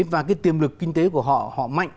và cái tiềm lực kinh tế của họ họ mạnh